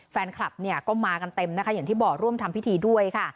แฟนคลับเนี่ยก็มากันเต็มนะคะอย่างที่บอกร่วมทำพิธีด้วยค่ะ